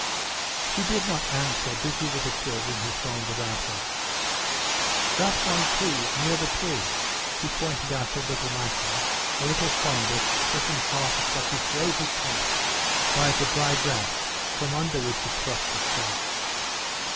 She did not answer, busy with the children who thronged about her. "That one too, near the twig," she pointed out to little Masha a little fungus, split in half across its rosy cap by the dry grass from under which it thrust itself.